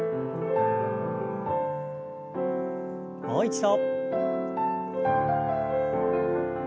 もう一度。